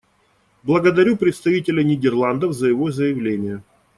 Благодарю представителя Нидерландов за его заявление.